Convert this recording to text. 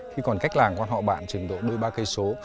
khi còn cách làng quan họ bạn trừng độ đôi ba cây số